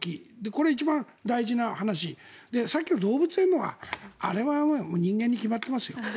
これ、一番大事な話さっきの動物園のはあれは人間に決まってますよ。